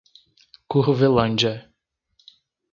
Curvelândia